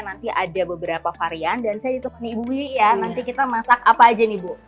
nanti ada beberapa varian dan saya ditemani ibui ya nanti kita masak apa aja nih bu